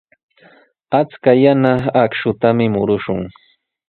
Achka yana akshutami murushun.